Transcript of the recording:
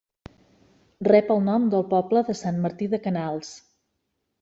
Rep el nom del poble de Sant Martí de Canals.